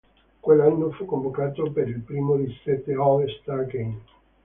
Quell'anno fu convocato per il primo di sette All-Star Game.